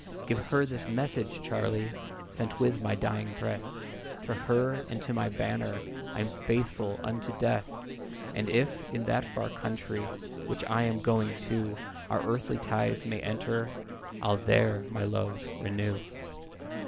"Give her this message, Charlie, Sent with my dying breath, To her and to my banner I'm 'faithful unto death.' And if, in that far country Which I am going to, Our earthly ties may enter, I'll there my love renew.